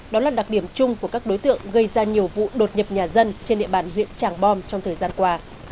đó là đặc điểm chung của các đối tượng gây ra nhiều vụ đột nhập nhà dân trên địa bàn huyện tràng bom trong thời gian qua